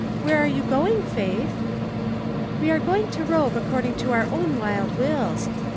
" Where are you going. Faith ?"" We are going to rove according to our own wild wills.